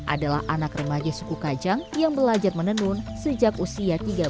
adalah anak remaja suku kajang yang belajar menenun sejak usia tiga belas